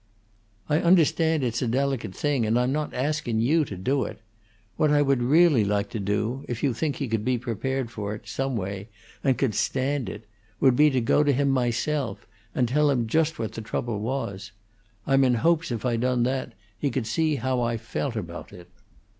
"I understand it's a delicate thing; and I'm not askin' you to do it. What I would really like to do if you think he could be prepared for it, some way, and could stand it would be to go to him myself, and tell him just what the trouble was. I'm in hopes, if I done that, he could see how I felt about it."